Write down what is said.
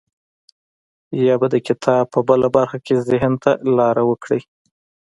يا به د کتاب په بله برخه کې ذهن ته لاره وکړي.